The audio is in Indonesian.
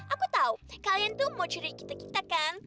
aku tahu kalian tuh mau curi kita kita kan